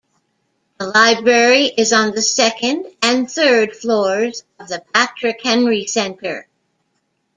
The library is on the second and third floors of the Patrick Henry Center.